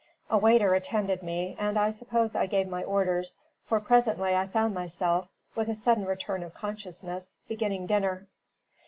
A waiter attended me, and I suppose I gave my orders; for presently I found myself, with a sudden return of consciousness, beginning dinner.